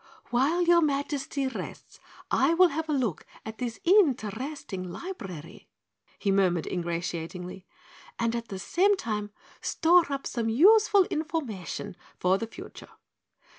"While your Majesty rests I will have a look at this interesting library," he murmured ingratiatingly, "and at the same time store up some useful information for the future."